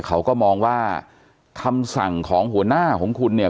เขาก็มองว่าคำสั่งของหัวหน้าของคุณเนี่ย